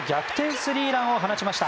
スリーランを放ちました。